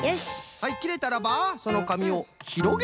はいきれたらばそのかみをひろげてみましょう！